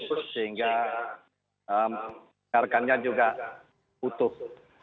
sehingga perkannya juga putus